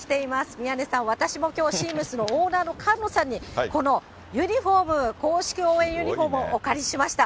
宮根さん、私もきょう、シームスのオーナーの菅野さんにこのユニホーム、公式応援ユニホームをお借りしました。